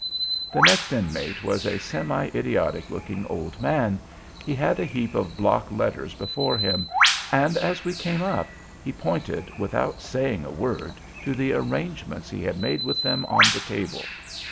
The next Inmate was a semi idiotic looking old man. He had a heap of block letters before him, and, as we came up, he pointed, without saying a word, to the arrangements he had made with them on the table.